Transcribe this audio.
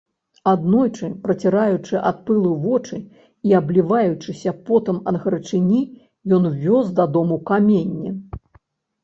Аднойчы, праціраючы ад пылу вочы і абліваючыся потам ад гарачыні, ён вёз дадому каменне.